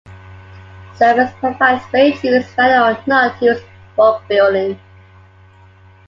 Service providers may choose whether or not to use bulk billing.